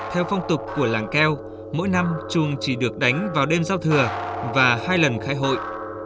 theo phong tục của làng keo mỗi năm chuồng chỉ được đánh vào đêm giao thừa và hai lần khai hội